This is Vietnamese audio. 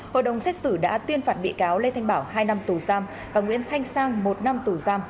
hội đồng xét xử đã tuyên phạt bị cáo lê thanh bảo hai năm tù giam và nguyễn thanh sang một năm tù giam